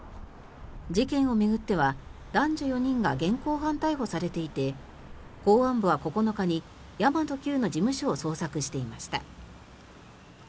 事件を巡っては男女４人が現行犯逮捕されていて公安部は９日に神真都Ｑの事務所を捜索していました。